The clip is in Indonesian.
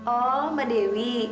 oh mbak dewi